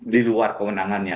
di luar kewenangannya